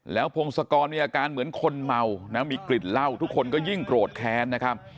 แล้วพงศกรมีอาการเหมือนคนเมานะมีกลิ่นเหล้าทุกคนก็ยิ่งโกรธแค้นนะครับ